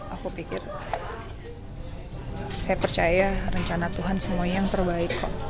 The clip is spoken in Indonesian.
aku pikir saya percaya rencana tuhan semuanya yang terbaik kok